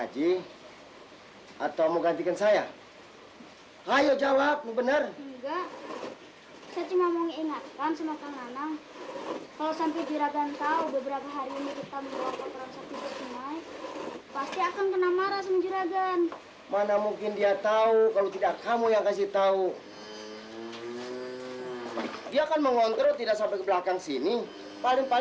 jika curahkan mucat saya